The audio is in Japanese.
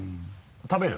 食べる？